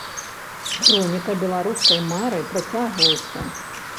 Хроніка беларускай мары працягваецца.